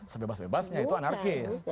sebebas bebasnya itu anarkis